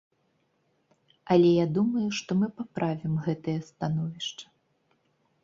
Але я думаю, што мы паправім гэтае становішча.